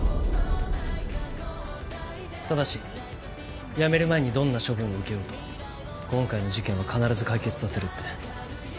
ただし辞める前にどんな処分を受けようと今回の事件は必ず解決させるって。